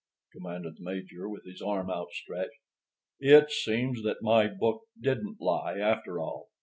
commanded the Major, with his arm outstretched. "It seems that my book didn't lie, after all.